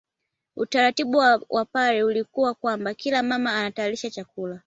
Utaratibu wa Wapare ulikuwa kwamba kila mama anatayarisha chakula